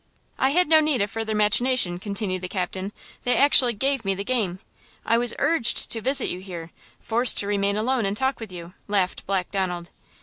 "I had no need of further machination!" continued the captain; "they actually gave me the game! I was urged to visit you here–forced to remain alone and talk with you!" laughed Black Donald.